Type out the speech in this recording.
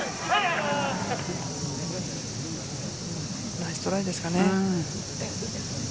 ナイストライですけどね。